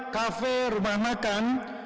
kafe rumah makan